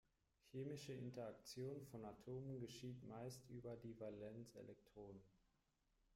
Chemische Interaktion von Atomen geschieht meist über die Valenzelektronen.